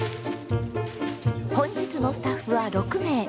本日のスタッフは６名。